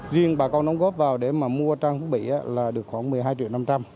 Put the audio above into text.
riêng bà con đóng góp vào để mà mua trang thiết bị là được khoảng một mươi hai triệu năm trăm linh